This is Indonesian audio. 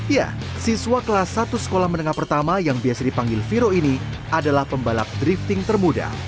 ya siswa kelas satu sekolah menengah pertama yang biasa dipanggil viro ini adalah pembalap drifting termuda